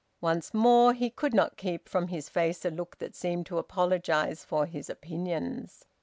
Once more he could not keep from his face a look that seemed to apologise for his opinions.